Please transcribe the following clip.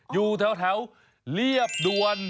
อยู่แถวเรียบด่วน